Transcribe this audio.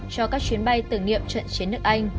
cho các chuyến bay tưởng niệm trận chiến nước anh